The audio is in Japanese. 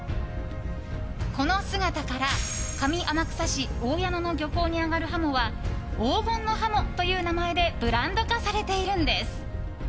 この姿から上天草市大矢野の漁港に揚がるハモは黄金のハモという名前でブランド化されているんです。